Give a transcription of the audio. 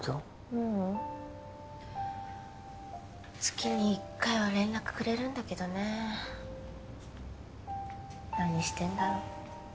ううん月に一回は連絡くれるんだけどね何してんだろう